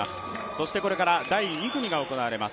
そしてこれから第２組が行われます